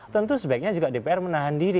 tentu sebaiknya juga dpr menahan diri